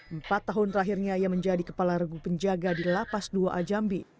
empat tahun terakhirnya ia menjadi kepala regu penjaga di lapas dua ajambi